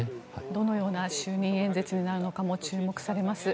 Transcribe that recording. どのような就任演説になるのかも、注目されます。